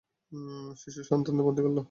শিশুসন্তানদের বন্দী করল।